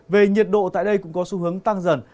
về nhiệt độ tại đây cũng có xu hướng tăng dần